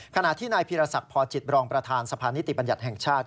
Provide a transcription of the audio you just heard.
ขณะที่นายพีรศักดิ์พอจิตรองประธานสะพานนิติบัญญัติแห่งชาติ